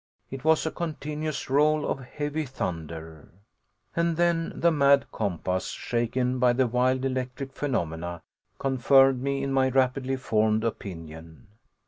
It was a continuous roll of heavy thunder. And then the mad compass, shaken by the wild electric phenomena, confirmed me in my rapidly formed opinion.